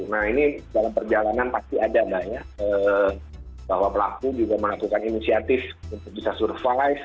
nah ini dalam perjalanan pasti ada mbak ya bahwa pelaku juga melakukan inisiatif untuk bisa survive